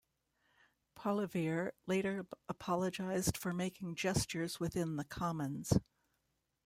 Poilievre later apologized for making gestures within the Commons.